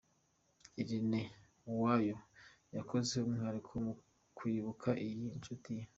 Irene Uwoya yakoze umwihariko mu kwibuka iyi nshuti ye.